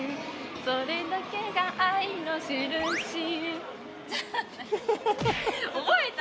「それだけが愛のしるし」